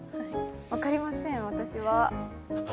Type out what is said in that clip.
分かりません、私は。